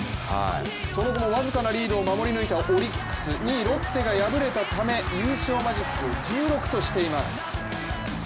その後も僅かなリードを守り抜いたオリックス、２位・ロッテが敗れたため優勝マジックを１６としています。